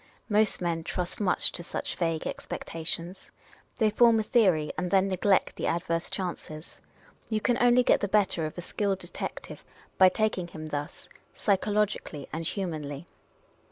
Most men trust much to just such vague expecta tions. They form a theorj', and then neglect the adverse chances. You can only get the better of a skilled detective by taking him thus, psychologically and humanly.